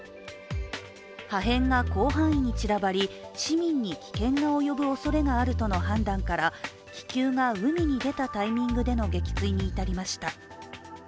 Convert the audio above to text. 破片が広範囲に散らばり、市民に危険が及ぶおそれがあるとの判断から気球が海に出たタイミングでの撃墜に至りました。